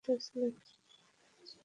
এছাড়াও তিনি সিনেটর ছিলেন।